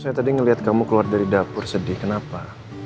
saya tadi ngelihat kamu keluar dari dapur sedih kenapa